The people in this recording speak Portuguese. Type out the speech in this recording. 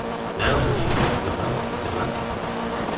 Não, meu filho, levanta, levanta!